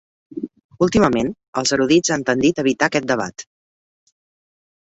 Últimament, els erudits han tendit a evitar aquest debat.